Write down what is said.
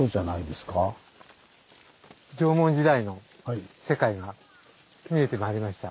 縄文時代の世界が見えてまいりました。